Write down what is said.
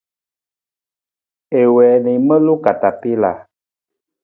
I wii na i maluu katapila.